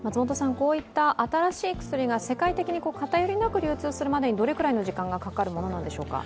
こういった新しい薬が世界的に偏りなく流通するまでにどれくらいの時間がかかるものなんでしょうか？